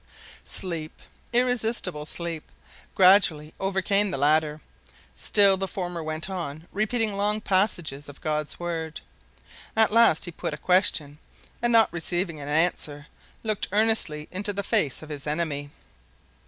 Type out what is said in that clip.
Sleep irresistible sleep gradually overcame the latter; still the former went on repeating long passages of God's word. At last he put a question, and, not receiving an answer, looked earnestly into the face of his enemy.